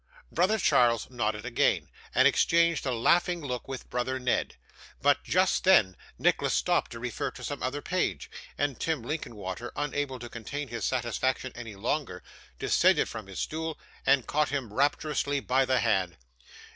Brother Charles nodded again, and exchanged a laughing look with brother Ned; but, just then, Nicholas stopped to refer to some other page, and Tim Linkinwater, unable to contain his satisfaction any longer, descended from his stool, and caught him rapturously by the hand.